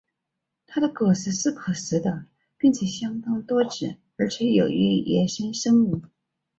它的果实是可食的并且相当多种子而且有益于野生生物。